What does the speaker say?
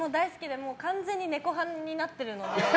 完全にネコ派になってるので。